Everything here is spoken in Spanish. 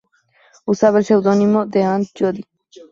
Usaba el seudónimo de Aunt Judy.